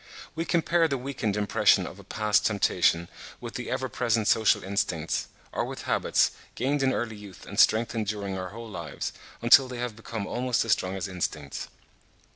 We compare the weakened impression of a past temptation with the ever present social instincts, or with habits, gained in early youth and strengthened during our whole lives, until they have become almost as strong as instincts.